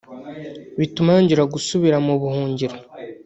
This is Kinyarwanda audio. bituma yongera gusubira mu buhungiro